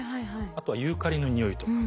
あとはユーカリの匂いとか。